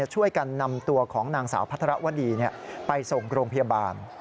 ช่วยกันนำตัวของนางสาวพัทรวดีไปส่งโรงพยาบาล